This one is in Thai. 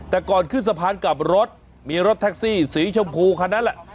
แต่ก่อนขึ้นสะพานกลับรถมีรถแท็กซี่สีชมพูคันนั้นแหละ